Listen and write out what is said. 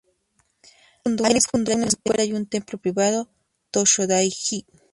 Ahí fundó una escuela y templo privado Tōshōdai-ji.